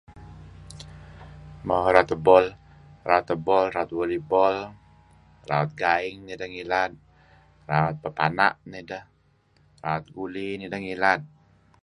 Mo raut ebol, raut ebol, raut volley ball, raut gaing nideh ngilad, raut pepana' nideh, raut guli nideh ngilad.